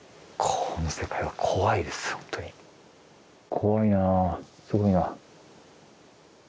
怖いなあすごいな。